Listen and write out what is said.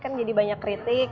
kan jadi banyak kritik